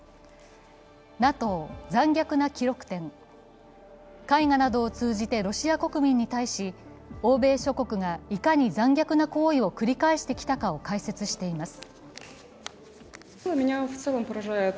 残虐な記録展、絵画などを通じてロシア国民に対し欧米諸国がいかに残虐な行為を繰り返してきたかを解説しています。